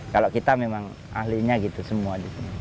kalau kita memang ahlinya gitu semua